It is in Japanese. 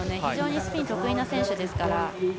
非常にスピンが得意な選手ですから。